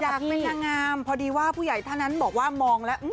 อยากเป็นนางงามพอดีว่าผู้ใหญ่ท่านนั้นบอกว่ามองแล้ว